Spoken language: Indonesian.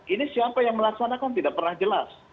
ini siapa yang melaksanakan tidak pernah jelas